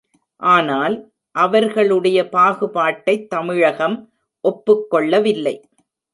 ஆனால், அவர்களுடைய பாகுபாட்டைத் தமிழகம் ஒப்புக்கொள்ளவில்லை.